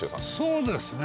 そうですね